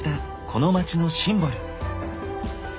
この街のシンボル。